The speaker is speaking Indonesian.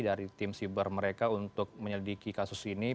dari tim siber mereka untuk menyelidiki kasus ini